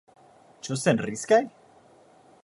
Ĉu senriskaj?